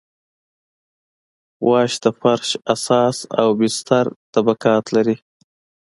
واش د فرش اساس او بستر طبقات لري